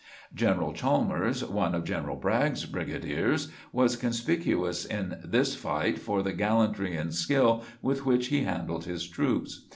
General Chalmers, one of General Bragg's brigadiers, was conspicuous in this fight for the gallantry and skill with which he handled his troops.